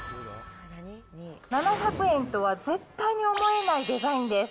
７００円とは絶対に思えないデザインです。